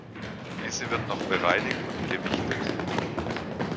Diese wird noch bereinigt und gewichtet.